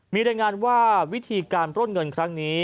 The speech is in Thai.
มีรายงานว่าวิธีการปล้นเงินครั้งนี้